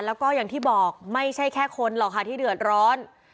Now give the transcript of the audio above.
แล้วก็อย่างที่บอกไม่ใช่แค่คนหรอกค่ะที่เดือดร้อน